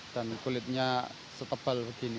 dan kulitnya setebal begini